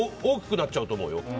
大きくなっちゃうと思うよ。